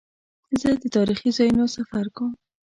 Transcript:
زه د تاریخي ځایونو سفر کوم.